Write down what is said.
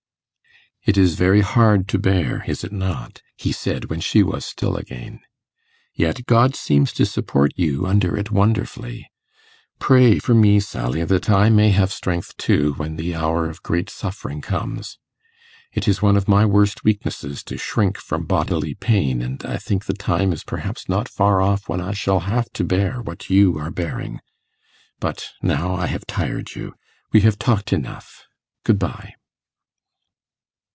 'It is very hard to bear, is it not?' he said when she was still again. 'Yet God seems to support you under it wonderfully. Pray for me, Sally, that I may have strength too when the hour of great suffering comes. It is one of my worst weaknesses to shrink from bodily pain, and I think the time is perhaps not far off when I shall have to bear what you are bearing. But now I have tired you. We have talked enough. Good bye.